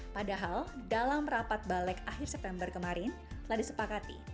padahal dalam rapat balik akhir september kemarin telah disepakati